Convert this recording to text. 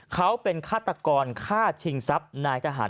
เขาเป็นฆาตกรฆ่าชิงทรัพย์